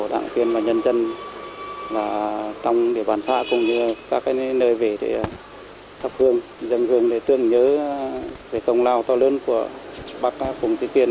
đảng quyền và nhân dân trong địa bàn xã cũng như các nơi về thắp hương dân hương để tương nhớ về công lao to lớn của bắc phùng trí kiên